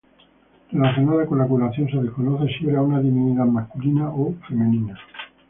Relacionada con la curación, se desconoce si era una divinidad masculina o femenina.